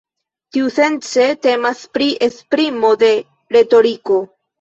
Tiusence temas pri esprimo de retoriko.